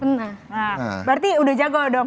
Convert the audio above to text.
nah berarti udah jago dong